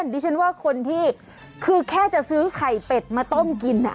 ดิฉันว่าคนที่คือแค่จะซื้อไข่เป็ดมาต้มกิน